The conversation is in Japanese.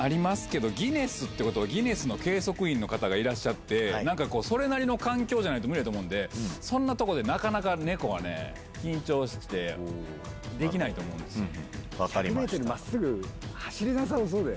ギネスってことは計測員の方がいらっしゃってそれなりの環境じゃないと無理やと思うんでそんなとこでネコは緊張してできないと思うんですよね。